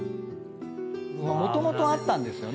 もともとあったんですよね。